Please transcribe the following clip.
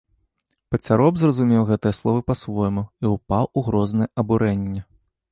Пацяроб зразумеў гэтыя словы па-свойму і ўпаў у грознае абурэнне.